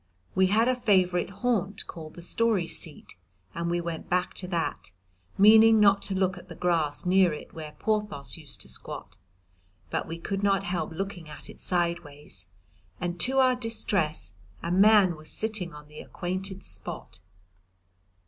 We had a favourite haunt, called the Story seat, and we went back to that, meaning not to look at the grass near it where Porthos used to squat, but we could not help looking at it sideways, and to our distress a man was sitting on the acquainted spot.